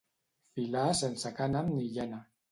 Filar sense cànem ni llana.